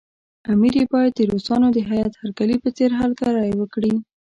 امیر یې باید د روسانو د هیات هرکلي په څېر هرکلی وکړي.